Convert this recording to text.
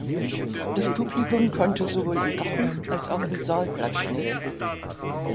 Das Publikum konnte sowohl im Garten als auch im Saal Platz nehmen.